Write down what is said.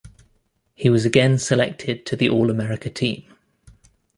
He was again selected to the All-America Team.